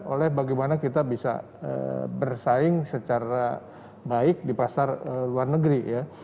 oleh bagaimana kita bisa bersaing secara baik di pasar luar negeri ya